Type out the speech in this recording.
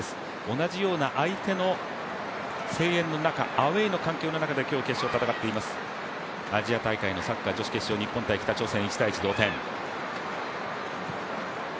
同じような相手の声援の中、アウェーの環境の中で今日、決勝を戦っていますアジア大会の女子サッカー決勝、日本×北朝鮮。